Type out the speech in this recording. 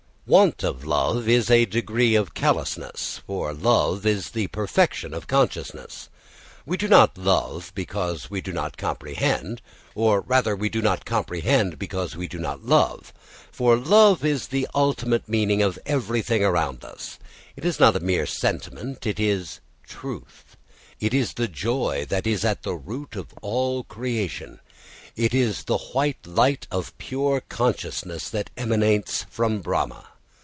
Want of love is a degree of callousness; for love is the perfection of consciousness. We do not love because we do not comprehend, or rather we do not comprehend because we do not love. For love is the ultimate meaning of everything around us. It is not a mere sentiment; it is truth; it is the joy that is at the root of all creation. It is the white light of pure consciousness that emanates from Brahma.